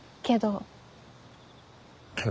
けど？